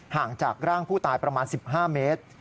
ห่างจากร่างผู้ตายประมาณ๑๕เมตร